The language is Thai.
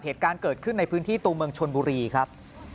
เหตุการณ์เกิดขึ้นในพื้นที่ตัวเมืองชนบุรีครับ